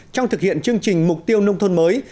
trong thực hiện chương trình mục tiêu nông thôn mới